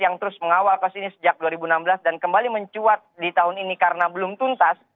yang terus mengawal kasus ini sejak dua ribu enam belas dan kembali mencuat di tahun ini karena belum tuntas